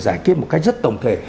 giải quyết một cách rất tổng thể